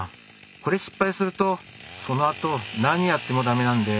これ失敗するとそのあと何やってもダメなんで。